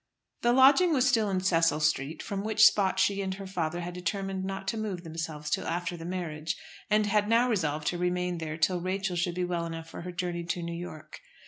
The lodging was still in Cecil Street, from which spot she and her father had determined not to move themselves till after the marriage, and had now resolved to remain there till Rachel should be well enough for her journey to New York.